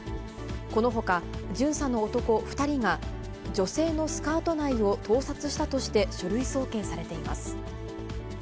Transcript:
このほか、巡査の男２人が、女性のスカート内を盗撮したとして、書類送検されています。